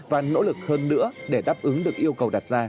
và nỗ lực hơn nữa để đáp ứng được yêu cầu đặt ra